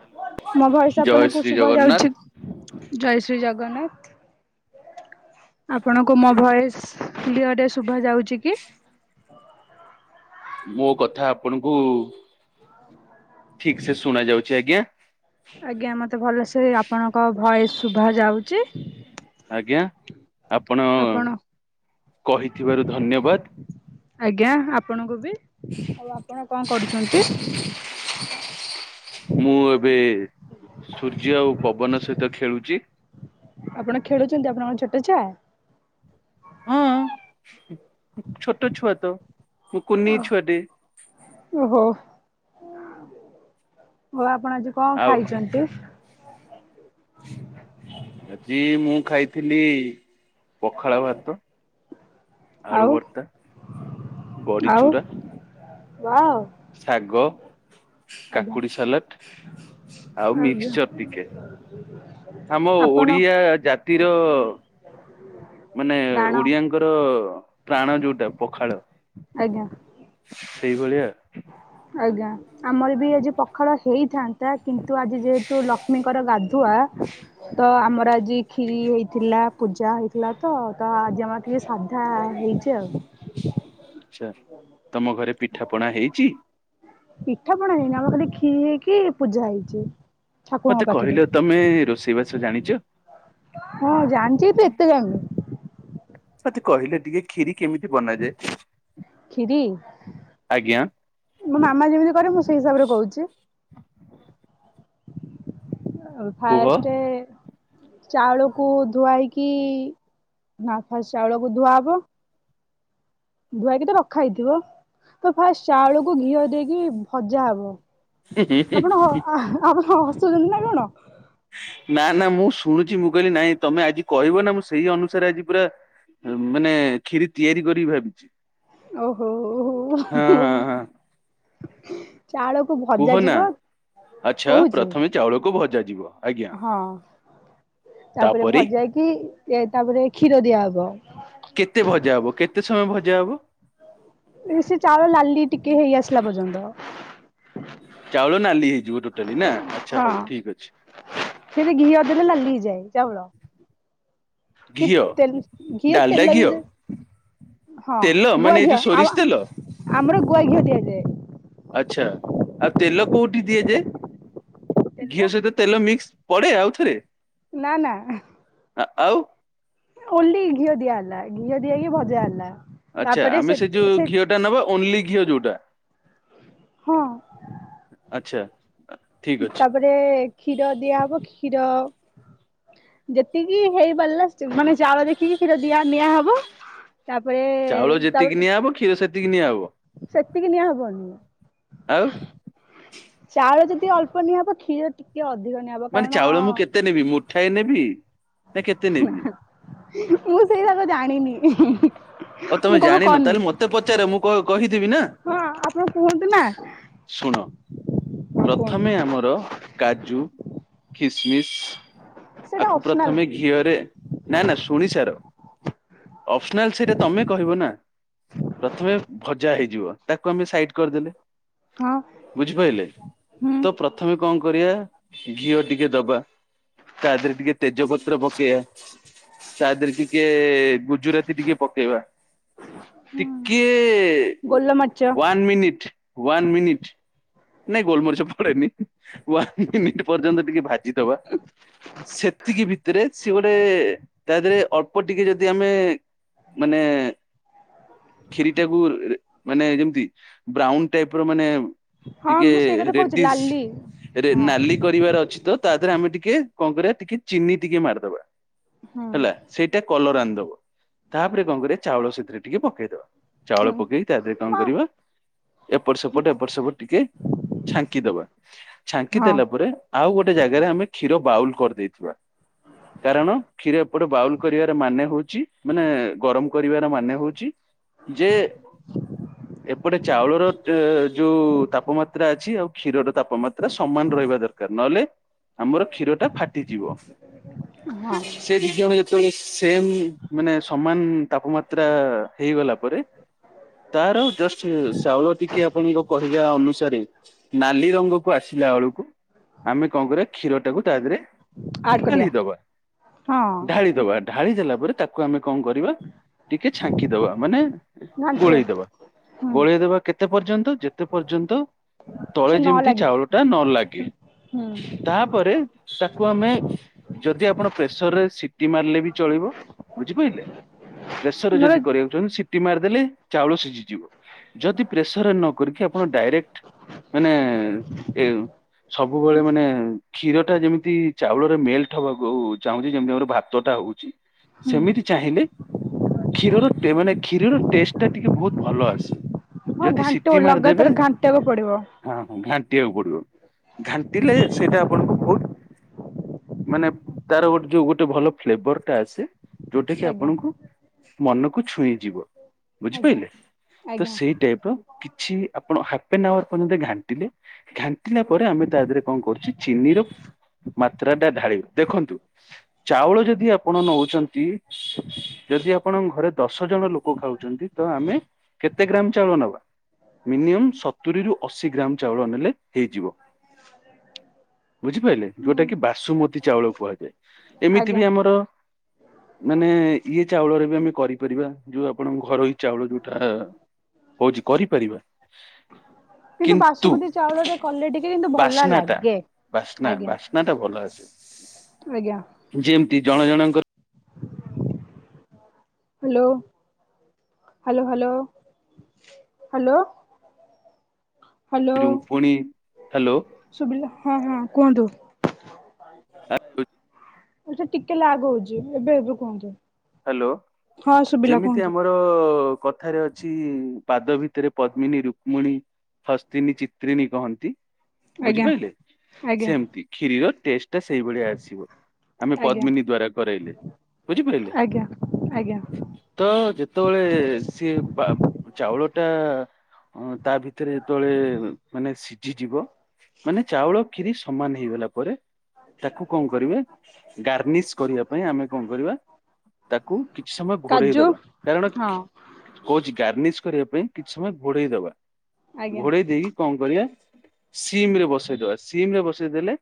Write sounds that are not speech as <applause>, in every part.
Hello. ମୋ ଭୟସ ଜୟ ଆପଣଙ୍କୁ ଶ୍ରୀ ଶୁଭା ଜଗନ୍ନାଥ ଯାଉଛିି? ଜୟ ଶ୍ରୀ ଜଗନ୍ନାଥ ଆପଣଙ୍କୁ ମୋ ଭୟସ କ୍ଳିଅରେ ଶୁଭା ଯାଉଛି କି? ମୋ କଥା ଆପଣଙ୍କୁ ଠିକ ସେ ଶୁଣା ଯାଉଛି ଆଜ୍ଞା? ଆଜ୍ଞା ମତେ ଭଲସେ ଆପଣଙ୍କ ଭୟସ ଶୁଭା ଯାଉଛି। ଆଜ୍ଞା ଆପଣ କହିଥିବାରୁ ଧନ୍ୟବାଦ। ଆଜ୍ଞା ଆପଣଙ୍କୁ ବି, ଆଉ ଆପଣ କଣ କରୁଛନ୍ତି? ମୁଁ ଏବେ ସୂର୍ଯ୍ୟ ଆଉ ପବନ ସହିତ ଖେଳୁଛି। ଆପଣ ଖେଳୁଛନ୍ତି! ଆପଣଙ୍କର ଛୋଟ ଛୁଆ! ହଁ, ଛୋଟ ଛୁଆ ତ, ମୋ କୁନି ଛୁଆ ଟେ। ଓହୋ! ଓ, ଆପଣ ଆଜି କଣ ଆଉ ଖାଇଛନ୍ତି? ଆଜି, ମୁଁ ଖାଇଥିଲି ପଖାଳ ଭାତ। ଆଳୁ ଆଉ ଭର୍ତା। ଆଉ ବା! ଶାଗ, କାକୁଡି ସାଲାଟ ଆଉ ଆଜ୍ଞା ମିକ୍ସଚର ଟିକେ। ଆମ ଆପଣ ଓଡିଆ ଜାତିର ମାନେ ଡାଣ ଓଡିଆଙ୍କର ପ୍ରାଣ ଯୋଉଟା ପଖାଳ। ଆଜ୍ଞା ସେଇଭଳିଆ। ଆଜ୍ଞା। ଆମର ବି ଆଜି ପଖାଳ ହେଇଥାନ୍ତା, କିନ୍ତୁ, ଆଜି ଯେହେତୁ ଲକ୍ଷ୍ମୀଙ୍କର ଗାଧୁଆ ତ, ଆମର ଆଜି କ୍ଷୀରି ହେଇଥିଲା। ପୂଜା ହେଇଥିଲା ତ! ତ, ଆଜି ଆମର ଟିକେ ସାଧା ହେଇଛି ଆଉ। ଆଛା। ତମ ଘରେ ପିଠା ପଣା ହେଇଛି? ପିଠା ପଣା ହେଇନି, ଆମର ଖାଲି କ୍ଷୀରି ହେଇକି ପୂଜା ହେଇଛି। ମତେ ଠାକୁରଙ୍କ ପାଖରେ କହିଲ, ତମେ ରୋଷେଇବାସ ଜାଣିଛ? ହଁ, ଜାଣିଛି, ତୁ ଏତେ ଜାଣିଲୁ। ମତେ କହିଲେ ଟିକେ, କ୍ଷୀରି କେମିତି ବନାଯାଏ? ଖିରି! ଆଜ୍ଞା ମୋ ମାମା ଯେମିତି କରେ ମୁଁ ସେଇ ହିସାବରେ କହୁଛି। ଅ କୁହ ଫାଏଷ୍ଟ ଚାଉଳକୁ ଧୁଆଇକି, ନା, ଫାଷ୍ଟ ଚାଉଳକୁ ଧୁଆହବ। ଧୁଆହେଇକି ତ ରଖା ହେଇଥିବ। ତ, ଫାଷ୍ଟ ଚାଉଳକୁ ଘିଅ ଦେଇକି ଭଜା ହବ। ଆପଣ, ଆପଣ ହସୁଛନ୍ତି ନା କଣ? ନା, ନା, ମୁଁ ଶୁଣୁଛି ମୁଁ କହିଲି ନାଇଁ ତମେ ଆଜି କହିବ ନା! ମୁଁ ସେଇ ଅନୁସାରେ ଆଜି ପୁରା ମାନେ ଖିରି ତିଆରି କରିକି ଭାବିଛି। ଓହୋ, ହଁ ଓହୋ, ହଁ ହଁ ଚାଉଳ କୁ କୁହ ଭଜା ନା ଯିବ। ଆଚ୍ଛା କହୁଛି ପ୍ରଥମେ ଚାଉଳକୁ ଭଜା ଯିବ। ହଁ, ତାପରେ ଭଜାହେଇକି ତାପରେ କ୍ଷୀର ଦିଆହବ। କେତେ ଭଜା ହବ? କେତେ ସମୟ ଭଜା ହବ? ଏ, ସେ ଚାଉଳ ଲାଲି ଟିକେ ହେଇ ଆସିଲା ପର୍ଯ୍ୟନ୍ତ। ଚାଉଳ ନାଲି ହେଇଯିବ ଟୋଟାଲି ନା, ଆଚ୍ଛା ହଉ ଠିକ ଅଛି। ହେଲେ ଘିଅ ଦେଲେ ନାଲି ହେଇଯାଏ ଚାଉଳ। କି, ଘିଅ ତେଲ ଘିଅ ତେଲ ବିଦେ ହଁ, ତେଲ ମାନେ ଗୁଆ ଏଇ ଯୋଉ ଘିଅ। ସୋରିଷ ଆମ ତେଲ ଆମର ଗୁଆ ଘିଅ ଦିଆଯାଏ। ଆଛା, ଆଉ ତେଲ କୋଉଠି ଦିଆ ଯାଏ? ତେଲ ଘିଅ ସହିତ ତେଲ ମିକ୍ସ। ପଡେ ଆଉ ଥରେ? ନା ନା। ହ, ଆଉ? ଓନଲି ଘିଅ ଦିଆ ହେଲା। ଘିଅ ଦିଆହେକି ଭଜା ହେଲା। ଆଚଛା, ଆମେ ସେ ଯୋଉ ଘିଅ ଟା ନେବା, ଓନ୍ଲି ଘିଅ ଯୋଉଟା? ହଁ ଆଚ୍ଛା। ଠିକ ଅଛି ତାପରେ କ୍ଷୀର ଦିଆ ହବ। କ୍ଷୀର ଯେତିକି ହେଇପାରିଲା, ମାନେ ଚାଉଳ ଦେଖିକି କ୍ଷୀର ଦିଆ ନିଆହବ। ତାପରେ, ଚାଉଳ ଯେତିକି ତାପରେ, ନିଆହବ କ୍ଷୀର ସେତିକି ନିଆହବ ସେତିକି ନିଆ ହବନି। ଆଉ। ଚାଉଳ ଯଦି ଅଳ୍ପ ନିଆ ହବ କ୍ଷୀର ଟି ଟିକେ ଅଧିକ ନିଆହବ। ମାନେ କାରଣ ଚାଉଳ ମୁଁ କେତେ ନେବି ମୁଠାଏ ନେବି ନା କେତେ ନେବି? ମୁଁ ସେଇରାକ ଜାଣିନି ଆଉ ତମେ ମୁଁ କବେ ଜାଣିନ କରିନି। ତାହେଲେ ମତେ ପଚାରେ ମୁଁ କହିଥିବି ନା। ହଁ ଆପଣ କୁହନ୍ତୁ ନା ଶୁଣ ହଁ କୁହନ୍ତୁ ପ୍ରଥମେ ଆମର କାଜୁ ଖସିମିସ ସେଇଟା ଆକୁ ଅପସନାଲ ପ୍ରଥମେ ଘିଅରେ ନା ନା ଶୁଣିସାର ଅଫସନାଲ ସେଟା ତମେ କହିବ ନା। ପ୍ରଥମେ ଭଜା ହେଇଯିବ ତାକୁ ଆମେ ସାଇଟ୍ କରିଦେଲେ। ହଁ। ବୁଝିପାରିଲେ ହୁଁ ତ ପ୍ରଥମେ କଣ କରିବା ଘିଅ ଟିକେ ଦବା ତା ଦେହରେ ଟିକେ ତେଜ ପତ୍ର ପକେଇବା। ତା ଦେହରେ ଟିକେ ଗୁଜୁରାତି ଟିକେ ପକେଇବା। ଟିକେ ଗୋଲମରିଚ ୱାନ୍ ମିନିଟ ୱାନ୍ ମିନିଟ୍। ନାଇଁ ଗୋଲମର୍ଚ୍ଚ ପଡେନି ୱାନ ମିନିଟ। ପର୍ଯ୍ୟନ୍ତ ଟିକେ ଭାଜିଦବା ସେତିକି ବି ଥିରେ ସେ ଗୋଟେ ତା ଦେହରେ ଅଳ୍ପ ଟିକେ ଯଦି ଆମେ ମାନେ ଖିରି ଟା କୁ ମାନେ ଯେମିତି ବ୍ରାଉନ ଟାଇପ ର ମାନେ ହଁ ଟିକେ ମୁଁ ସେଇ କଥା କହୁଛି ରେଡଡିସ୍ ଲାଲି ରେ ହଁ ନାଲି କରିବାର ଅଛି ତ ତା ଦେହରେ ଆମେ ଟିକେ କଣ କରିବା ଟିକେ ଚିନି ଟିକେ ମାରିଦବା। ହେଲା ହୁଁ ସେଇଟା କଲର ଆଣିଦବ ତାପରେ କଣ କରିବା ଚାଉଳ ସେଥିରେ ଟିକେ ପକେଇଦବା। ଚାଉଳ ପକେଇକି ତା ଦେହରେ କଣ ମା କରିବା ଏପଟ ସେପଟ ଏପଟ ସେପଟ ଟିକେ ଛାଙ୍କିଦବା ଛାଙ୍କି ହଁ ଦେଲା ପରେ ଆଉ ଗୋଟେ ଜାଗାରେ ଆମେ କ୍ଷୀର ବାଉଲ୍ କରିଦେଇଥିବା। କାରଣ କ୍ଷୀର ଏପଟେ ବାଉଲ କରିବାର ମାନେ ହଉଚି ମାନେ ଗରମ କରିବାର ମାନେ ହଉଚି ଯେ ଏପଟେ ଚାଉଳର ଯୋଉ ତାପମାତ୍ରା ଅଛି ଆଉ କ୍ଷୀର ତାପମାତ୍ରା ସମାନ ରହିବା ଦରକାର। ଦ ନହେଲେ ଆମର କ୍ଷୀର ଟା ଫାଟିଯିବ। ହଁ ସେ ବିଜ୍ଞଣ ଯେତେବେଳେ ସେମ ମାନେ ସମାନ ତାପମାତ୍ରା ହେଇଗଲା ପରେ ତାର ଚାଉଳ ଜଷ୍ଟ ଚାଉଳ ଟିକେ ଆପଣ କହେ ଆ ଅନୁସାରେ ନାଲି ରଙ୍ଗକୁ ଆସିଲା ଏଳକୁ ଆମେ କଣ କରିବା କ୍ଷୀର ଟାକୁ ତା ଦେହରେ ଆଡ୍ କରିବା ଢାଳିଦବା ହଁ ଢାଳିଦବା। ଢାଳି ଦେଲା ପରେ ତାକୁ ଆମେ କଣ କରିବା ଟିକେ ଛାଙ୍କି ଦବା ମାନେ ଘାଣ୍ଟ ଗୋଳେଇଦବା। ହୁଁ ଗୋଳେଇଦବା କେ ଯେତେ ପର୍ଯ୍ୟନ୍ତ ଯେତେ ପର୍ଯ୍ୟନ୍ତ ସେ ତଳେ ନ ଯେମିତି ଲାଗିଛି ଚାଉଳ ଟା ନ ଲାଗେ। ହୁଁ ତାପରେ ତାକୁ ଆମେ ଯଦି ଆପଣ ପ୍ରେସର ରେ ସିଟି ମାରିଲେ ବି ଚଳିବ ବୁଝିପାରିଲେ। ପ୍ରେସର ନହେଲେ ଯଦି କରିବାକୁଛନ୍ତି ସିଟି ମାରିଦେଲେ ଚାଉଳ ସିଝିଯିବ। ଯଦି ପ୍ରେସର ନ କରିକି ଆପଣ ଡାଇରେକ୍ଟ ମାନେ ସବୁବେଳେ ମାନେ କ୍ଷୀର ଟା ଯେମିତି ଚାଉଳରେ ମେଲଟ ହବାକୁ ଚାହୁଁଚି ଯେମତି ଆମର ଭାତଟା ହଉ ଚି ହୁଁ ସେମିତି ଚାହିଁଲେ କ୍ଷୀରର ଟେ ମାନେ କ୍ଷୀରର ଟେଷ୍ଟ ଟା ଟିକେ ବହୁତ ଭଲ ଆସେ। ହଁ ଯଦି ଘାଣ୍ଟ ସିଟି ମାରି ଦେବେ ଲଗାତାର ଘାଣ୍ଟିବାକୁ ପଡିବ ହଁ ହ ଘାଣ୍ଟିିବାକୁ ପଡିବ। ଘାଣ୍ଟିଲେ ସେଇଟା ଆପଣଙ୍କୁ ବହୁତ ମାନେ ତାର ଗୋଟେ ଯୋଉ ଗୋଟେ ଭଲ ଫ୍ଲେବର ଟା ଆସେ ଯୋଉଟା କି ଆଜ୍ଞା ଆପଣଙ୍କୁ ମନକୁ ଛୁଇଁ ଯିବ ଆଜ୍ଞା ବୁଝିପାରିଲେ। ତ ଆଜ୍ଞା ସେଇ ଟାଇପ ର କିଛି ଆପଣ ହାଫ ଆ ଆୱାର ପର୍ଯ୍ୟନ୍ତ ଘାଣ୍ଟିଲେ ଘାଣ୍ଟିଲା ପରେ ଆମେ ତା ଦେହରେ କଣ କରୁଚି ଚିନି ର ମାତ୍ରା ଟା ଢାଳିବ। ଦେଖନ୍ତୁ ଚାଉଳ ଯଦି ଆପଣ ନଉଚନ୍ତି। ଯଦି ଆପଣଙ୍କ ଘରେ ଦଶ ଜଣ ଲୋକ ଖାଉଚନ୍ତି ତ ଆମେ କେତେ ଗ୍ରାମ ଚାଉଳ ନବା। ମିନିମମ୍ ସତୁରି ରୁ ଅଶି ଗ୍ରାମ ଚାଉଳ ନେଲେ ହେଇଯିବ। ବୁଝିପାରିଲେ ହୁଁ ଯୋଉଟା କି ବାସୁମତୀ ଚାଉଳ କୁହାଯାଏ। ଏମିତି ଆଜ୍ଞା ବି ଆମର ମାନେ ଇଏ ଚାଉଳରେ ବି ଆମେ କରିପାରିବା ଯୋଉ ଆପଣଙ୍କ ଘରୋଇ ଚାଉଳ ଯୋଉଟା ହଉଛି କରିପାରିବା। କିନ୍ତୁ ବାସୁମତୀ ଚାଉଳରେ କଲେ ଟିକେ କିନ୍ତୁ ଭଲ ବାସ୍ନା ଟା ଲାଗେ ବାସ୍ନା ବାସ ଆଜ୍ଞା ବାସ୍ନା ଟା ଭଲ ଆସେ। ଆଜ୍ଞା। ଯେମିତି ଜଣ ଜଣଙ୍କର hello hello hello hello. Hello. ଯୋଉ ପୁଣି ହାଲୋ। ସୁବିଲା ହଁ ହଁ କୁହନ୍ତୁ। <unintelligible> ଅବଶ୍ୟ ଟିକେ ଲାଗ୍ ହୋଉଚି ଏବେ ଏବେ କୁହନ୍ତୁ। ହାଲୋ ହଁ ଶୁଭିଲା ଯେମିତି କୁହନ୍ତୁ ଆମର ତ କଥାରେ ଅଛି ପାଦ ଭିତରେ ପଦ୍ମିନୀ, ରୁକ୍ମୁଣୀ ହସ୍ତିନୀ, ଚିତ୍ରିଣୀ କହନ୍ତି ଆଜ୍ଞା ବୁଝିପାରିଲେ ଆଜ୍ଞା ସେମିତି କ୍ଷିରିର ଟେଷ୍ଟ୍ ଟା ସେଇଭଳିଆ ଆସିବ ଆମେ ଆଜ୍ଞା ପଦ୍ମିନୀ ଦ୍ଵାରା କରାଇଲେ ବୁଝିପାଇଲେ। ଆଜ୍ଞା ଆଜ୍ଞା। ତ ଯେତେବେଳେ ସିଏ ବା ଚାଉଳ ଟା ଅଁ ତା ଭି ଏଥିରେ ଯେତେବେଳେ ମାନେ ସିଝିଯିବ ମାନେ ଚାଉଳ କ୍ଷିରି ସମାନ ହେଇଗଲା ପରେ ତାକୁ କଣ କରିବେ ଗାର୍ନିସ୍ କରିବା ପାଇଁ ଆମେ କଣ କରିବା ତାକୁ କିଛି ସମୟ ଘୋଡେଇ କାଜୁ ଦବା କାରଣ ହଁ ଖି କହୁଛି ଗାର୍ନିସ୍ କରିବା ପାଇଁ କିଛି ସମୟ ଘୋଡେଇ ଦବା ଆଜ୍ଞା ଘୋଡେଇ ଦେଇକି କଣ କରିବା ସିମ୍ ରେ ବସେଇଦବା ସିମ୍ ରେ ବସେଇଦେଲେ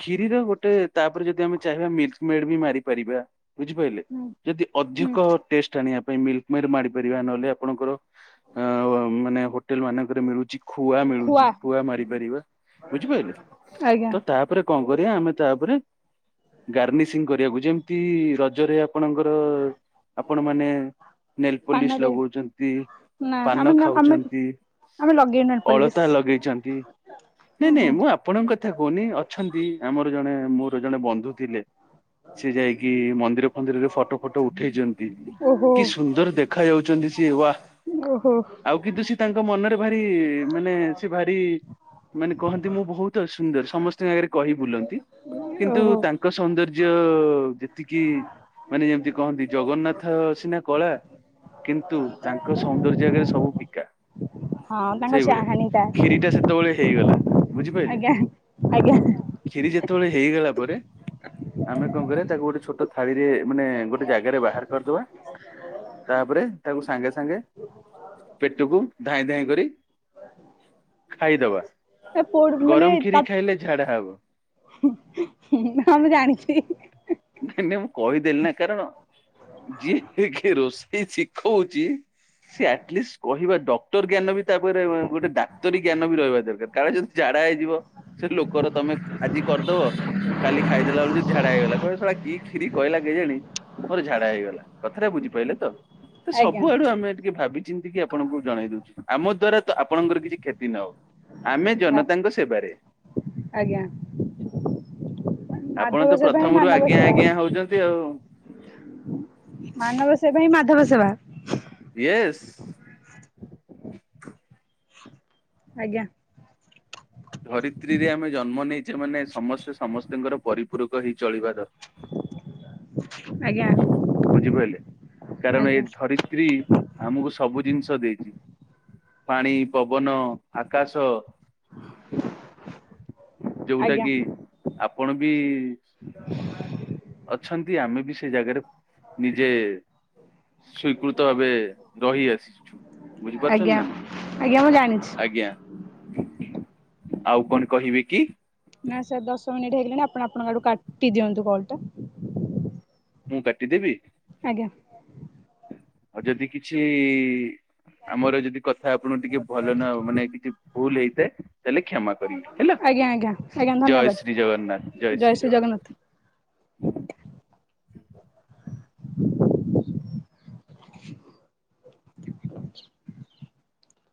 କ୍ଷୀରିରେ ଗୋଟେ ତାପରେ ଯଦି ଆମେ ଚାହିଁବା ମିଲ୍କୀ ମେଡ୍ ବି ମାରିପାରିବା ବୁଝିପାଇଲେ। ହୁଁ ଯଦି ହୁଁ ଅଧିକ ଟେଷ୍ଟ୍ ଆଣିବା ପାଇଁ ମିଲ୍କୀ ମେଡ୍ ମାଡି ପାରିବା ନହେଲେ ଆପଣଙ୍କର ଅ ମାନେ ହୋଟେଲେ ମାନଙ୍କରେ ମିଳୁଚି। ଖୁଆ ମିଳୁଚି ଖୁଆ ମାରିପାରିବା ବୁଝିପାଇଲେ ଆଜ୍ଞା ତ ତାପରେ କଣ କରିବା ଆମେ ତା ପରେ ଗାର୍ନିସିଂ କରିବାକୁ ଯେମିତି ରଜରେ ଆ ଆପଣଙ୍କର ଆପଣ ମାନେ ନେଲ୍ ପୋଲିସ୍ ପାନରେ ଲଗାଉଚନ୍ତି। ନା ପାନ ଆମେ ଆମେ ଖାଉଚନ୍ତି ଆମେ ଲଗେଇନୁ ନେଲପଲିସ୍ ଅଳତା ଲଗେଇଚନ୍ତି ନାଇଁ ଓହୋ ନାଇଁ ମୁଁ ଆ ଆପଣଙ୍କ କଥା କହୁନି ଅଛନ୍ତି ଆମର ଜଣେ ମୋର ଜଣେ ବନ୍ଧୁ ଥିଲେ। ସେ ଯାଇକି ମନ୍ଦିର କୁ ମନ୍ଦିରରେ ଫଟୋ ଫଟୋ ଉଠେଇଚନ୍ତି ଓହୋ କି ସୁନ୍ଦର ଦେଖାାଯାଉଛନ୍ତି ସିଏ ୱା। ଓହୋ। ଆଉ କିନ୍ତୁ ସେ ତାଙ୍କ ମନରେ ଭାରି ମାନେ ସେ ଭାରି ମାନେ କହନ୍ତି ମୁଁ ବହୁତ୍ ସୁନ୍ଦର ସମସ୍ତଙ୍କ ଆଗରେ କହି ବୁଲନ୍ତି। କିନ୍ତୁ ଓହୋ ତାଙ୍କ ସୌନ୍ଦର୍ଯ୍ୟ ଯେତିକି ମାନେ ଯେମିତି କହନ୍ତି ଜଗନ୍ନାଥ ସିନା କଳା କିନ୍ତୁ ତାଙ୍କ ସୌନ୍ଦର୍ଯ୍ୟ ଆଗରେ ସବୁ ଫିକା। ହଁ ତାଙ୍କ ସେଇଭଳିଆ ଚାହାଣୀଟା କ୍ଷିରି ଟା ସେତେବେଳେ ହେଇଗଲା ବୁଝିପାଇଲେ। ଆଜ୍ଞା ଆଜ୍ଞା କ୍ଷୀରି ଯେତେବେଳେ ହେଇଗଲା ପରେ ଆମେ କଣ କରିବା ତାକୁ ଗୋଟେ ଛୋଟ ଥାଳିରେ ମାନେ ଗୋଟେ ଜାଗାରେ ବାହାର କରିଦବା ତାପରେ ତାକୁ ସାଙ୍ଗେ ସାଙ୍ଗେ ପେଟୁକୁ ଧାଇଁ ଧାଇଁ କରି ଖାଇଦବା। ଏ ପୋଡ଼ ମାନେ ଗରମ ତା କ୍ଷୀରି ଖାଇଲେ ଝାଡା ହବ। ହୁଁ ହୁଁ ହଁ ମୁଁ ଜାଣିଛି। ନାଇଁ ନାଇଁ ମୁଁ କହିଦେଲି ନା କାରଣ ଯିଏ କି ରୋଷେଇ ଶିଖଉଚି ସେ ଆଟଲିଷ୍ଟ କହିବା ଡକ୍ଟର ଜ୍ଞାନ ବି ତାପାଖରେ ଗୋଟେ ଡାକ୍ତରୀ ଜ୍ଞାନ ବି ରହିବା ଦରକାର କାଳେ ଯଦି ଝାଡା ହେଇଯିବ ସେ ଲୋକର ତମେ ଆଜି କରିଦବ କାଲି ଖାଇଦେଲା ବେଳକୁ ଝାଡା ହେଇଗଲା। କଇବେ ଶଳା କି କ୍ଷୀରି କଇଲା କେଜାଣି ମୋର ଝାଡା ହେଇଗଲା କଥାଟା ବୁଝିପାଇଲେ ତ। ଏ ଆଜ୍ଞା ସବୁଆଡୁ ଆମେ ଟିକେ ଭାବିଚିନ୍ତି କି ଆ ଆପଣଙ୍କୁ ଜଣେଇ ଦଉଛୁ ଆମ ଦ୍ଵାରା ତ ଆପଣଙ୍କର କିଛି କ୍ଷତି ନ ହଉ ଆମେ ଜନତାଙ୍କ ସେବାରେ। ଆଜ୍ଞା। ଆପଣ ମାଧବ ତ ସେବା ହିଁ ପ୍ରଥମ ରୁ ମାନବ ଆଜ୍ଞା ସେବା ଆଜ୍ଞା ହଉଛନ୍ତି ଆଉ ମାନବ ସେବା ହିଁ ମାଧବ ସେବା। ୟେସ ଆଜ୍ଞା। ଧରିତ୍ରୀରେ ଆମେ ଜନ୍ମ ନେଇଛେ ମାନେ ସମସ୍ତେ ସମସ୍ତଙ୍କର ପରିପୂରକ ହେଇ ଚଳିବା ଦରକାର ଆଜ୍ଞା। ବୁଝିପାରିଲେ କାରଣ ଏ ଆଜ୍ଞା ଧରିତ୍ରୀ ଆମକୁ ସବୁ ଜିନିଷ ଦେଇଛି। ପାଣି, ପବନ, ଆକାଶ ଯୋଉଟା ଆଜ୍ଞା କି ଆପଣ ବି ଅଛନ୍ତି ଆମେ ବି ସେ ଜାଗାରେ ନିଜେ ସ୍ଵିକୃତ ଭାବେ ରହିଆସିଛୁ ବୁଝିପାରୁଛ ନା ନାଇ ହଁ ମୁଁ ଜାଣିଛିୁ। ଆଉ କଣ କହିବି କି? ନା ସାର୍ ଦଶ ମିନିଟ୍ ହେଇଗଲାଣି ଆପଣ ଆପଣଙ୍କ ଆଡୁ କାଟି ଦିଅନ୍ତୁ କଲ୍ ଟା ମୁଁ କାଟିଦେବି? ଆଜ୍ଞା। ଆଉ ଯଦି କିଛି ଆମର ଯଦି କଥା ଆପଣଙ୍କୁ ଟିକେ ଭଲ ନା ମାନେ କିଛି ଭୁଲ ହେଇଥାଏ ତାହେଲେ କ୍ଷମା କରି ରିବ ହେଲା ଆଜ୍ଞା ଆଜ୍ଞା ଆଜ୍ଞା ଜୟ ଧନ୍ୟବାଦ ଶ୍ରୀ ଜଗନ୍ନାଥ ଜୟ ଶ୍ରୀ ଜଗନ୍ନାଥ।